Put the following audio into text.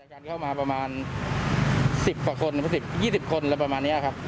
เข้ามาประมาณสิบกว่าคนสิบยี่สิบคนประมาณเนี้ยครับ